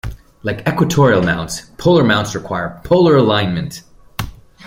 Like equatorial mounts, polar mounts require polar alignment.